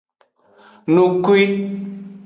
Nukwi.